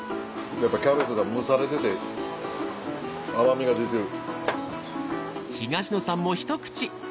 やっぱキャベツが蒸されてて甘みが出てる。